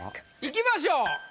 いきましょう。